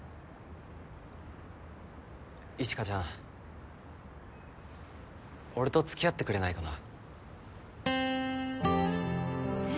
一華ちゃん俺と付き合ってくれないかな？